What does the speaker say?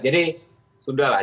jadi sudah lah